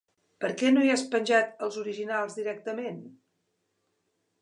Per què no hi has penjat els originals directament?